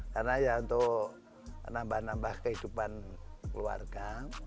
karena ya untuk nambah nambah kehidupan keluarga